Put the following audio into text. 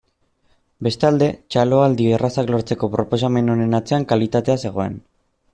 Bestalde, txaloaldi errazak lortzeko proposamen honen atzean kalitatea zegoen.